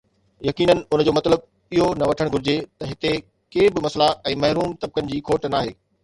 يقينن، ان جو مطلب اهو نه وٺڻ گهرجي ته هتي ڪي به مسئلا ۽ محروم طبقن جي کوٽ ناهي.